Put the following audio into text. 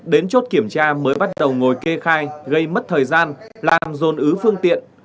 đến chốt kiểm tra mới bắt đầu ngồi kê khai gây mất thời gian làm dồn ứ phương tiện